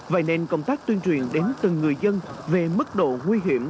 vậy nên công tác tuyên truyền đến từng người dân về mức độ nguy hiểm